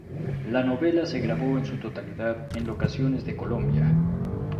La novela se grabó en su totalidad en locaciones de Colombia.